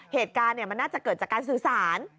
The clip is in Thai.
เหตุการณ์มันน่าจะเกิดจากการสื่อสาร